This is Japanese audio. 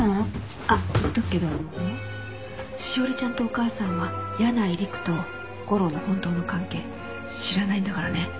あっ言っとくけど志生里ちゃんとお義母さんは箭内稟久と吾良の本当の関係知らないんだからね。